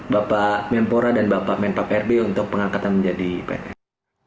bapak menpora dan bapak menpak rb untuk pengangkatan menjadi pns